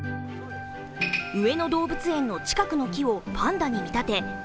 上野動物園の近くの木をパンダに見立て